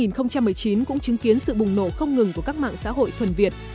năm hai nghìn một mươi chín cũng chứng kiến sự bùng nổ không ngừng của các mạng xã hội thuần việt